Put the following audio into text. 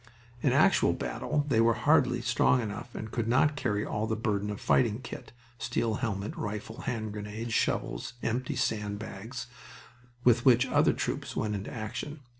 In actual battle they were hardly strong enough and could not carry all that burden of fighting kit steel helmet, rifle, hand grenades, shovels, empty sand bags with which other troops went into action.